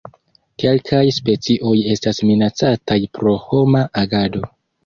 Kelkaj specioj estas minacataj pro homa agado.